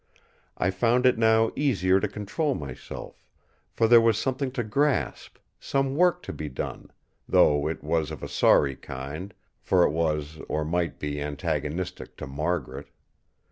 I found it now easier to control myself; for there was something to grasp, some work to be done; though it was of a sorry kind, for it was or might be antagonistic to Margaret.